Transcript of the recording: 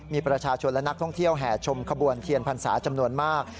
มีประชาชนและนักท่องเที่ยวแห่ชมขบวนเทียนพรรษาจำนวนมาก